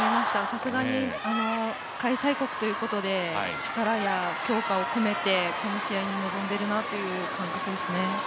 さすがに開催国ということで力や強化を込めてこの試合に臨んでいるなという感覚ですね。